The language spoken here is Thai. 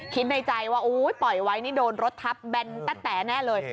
คิดในใจว่าปล่อยไว้นี่โดนรถทับแบนตะแต๋แน่เลย